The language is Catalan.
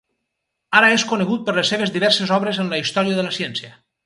Ara és conegut per les seves diverses obres en la Història de la Ciència.